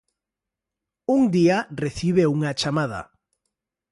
Un día recibe unha chamada.